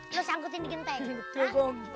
lu sangkutin di genteng